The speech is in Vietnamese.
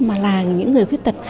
mà là những người khuyết tật